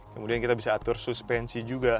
kemudian kita bisa atur suspensi juga